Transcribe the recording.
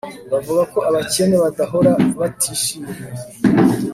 Bavuga ko abakene badahora batishimye